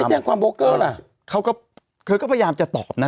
แจ้งความโบเกอร์ล่ะเขาก็เธอก็พยายามจะตอบนะ